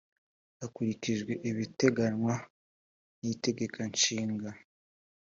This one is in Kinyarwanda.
hakurikijwe ibiteganywa n itegeko nshiinga